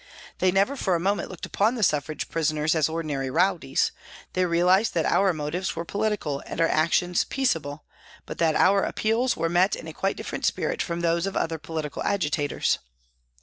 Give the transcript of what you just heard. They never for a moment looked upon the suffrage prisoners as ordinary rowdies, they realised that our motives were political and our actions peaceable, but that our appeals were met in a quite different spirit from those of other political agitators.